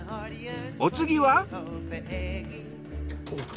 お次は。